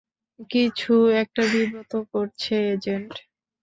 কিছু একটা বিব্রত করছে, এজেন্ট?